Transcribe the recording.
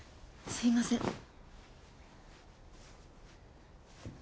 すいません。